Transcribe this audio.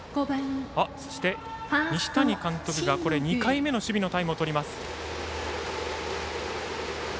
西谷監督が２回目の守備のタイムを取ります。